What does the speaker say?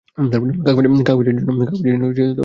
কাগজের জন্য টাকার চেষ্টা হইতেছে।